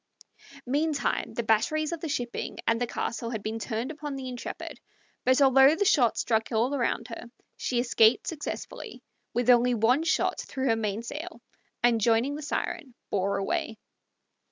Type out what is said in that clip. Meantime the batteries of the shipping and the castle had been turned upon the Intrepid, but although the shot struck all around her, she escaped successfully with only one shot through her mainsail, and, joining the Siren, bore away.